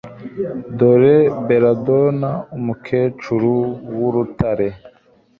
Dore Belladonna Umukecuru wUrutare